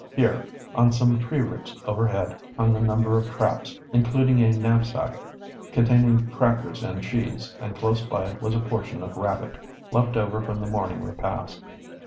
Here, on some tree roots overhead, hung a number of traps, including a knapsack containing crackers and cheese, and close by it was a portion of rabbit, left over from the morning repast.